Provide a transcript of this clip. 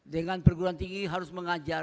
dengan perguruan tinggi harus mengajar